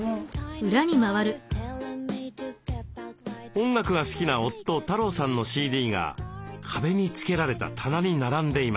音楽が好きな夫・太郎さんのＣＤが壁に付けられた棚に並んでいました。